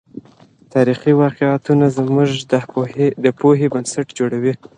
تاريخي واقعيتونه زموږ د پوهې بنسټ جوړوي.